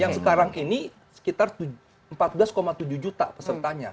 yang sekarang ini sekitar empat belas tujuh juta pesertanya